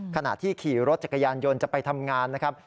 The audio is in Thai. ขณะที่ขี่รถจักรยานยนต์จะไปทำงานนะครับ